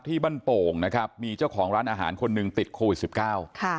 ที่บ้านโป่งนะครับมีเจ้าของร้านอาหารคนหนึ่งติดโควิดสิบเก้าค่ะ